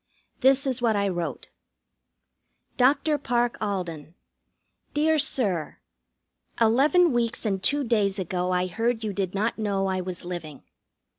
This is what I wrote: DR. PARKE ALDEN: Dear Sir, Eleven weeks and two days ago I heard you did not know I was living.